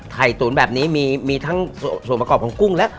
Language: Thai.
ตุ๋นแบบนี้มีทั้งส่วนประกอบของกุ้งและ